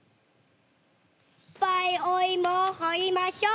いっぱいお芋を掘りましょう。